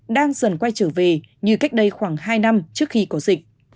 đang dần quay trở về như cách đây khoảng hai năm trước khi có dịch